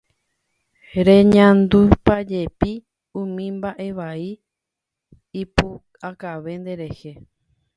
Reñandúpajepi umi mba'evai ipu'akave nderehe.